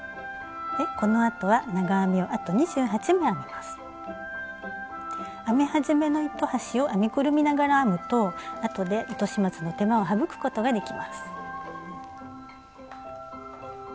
このあとは編み始めの糸端を編みくるみながら編むとあとで糸始末の手間を省くことができます。